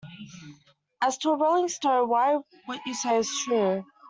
As to a rolling stone, why, what you say is true.